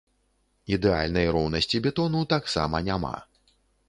Ідэальнай роўнасці бетону таксама няма.